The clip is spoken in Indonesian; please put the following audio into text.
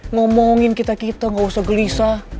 ngomongin kita kita gak usah gelisah